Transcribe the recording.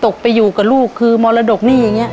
ไปอยู่กับลูกคือมรดกหนี้อย่างนี้